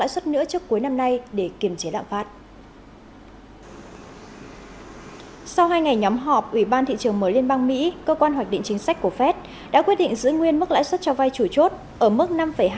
sau hai ngày nhóm họp ủy ban thị trường mới liên bang mỹ cơ quan hoạch định chính sách của fed đã quyết định giữ nguyên mức lãi suất cho vai chủ chốt ở mức năm hai